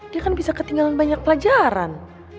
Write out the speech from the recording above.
dia kan bisa ketinggalan banyak pelajaran